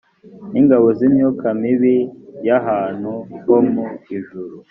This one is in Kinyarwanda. n ingabo z imyuka mibir y ahantu ho mu ijuru